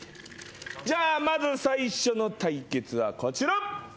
じゃあまず最初の対決はこちら。